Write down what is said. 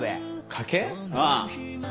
ああ。